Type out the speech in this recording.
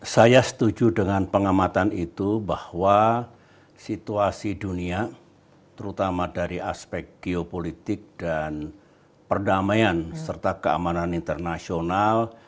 saya setuju dengan pengamatan itu bahwa situasi dunia terutama dari aspek geopolitik dan perdamaian serta keamanan internasional